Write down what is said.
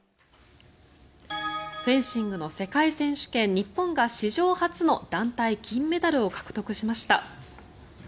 フェンシングの世界選手権日本が史上初の団体金メダルを獲得しました。